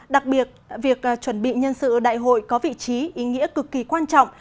đặc biệt việc chuẩn bị nhân sự đại hội có vị trí ý nghĩa cực kỳ quan trọng